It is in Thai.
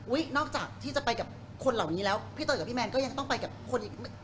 นอกจากที่จะไปกับคนเหล่านี้แล้วพี่เตยกับพี่แมนก็ยังต้องไปกับคนอีก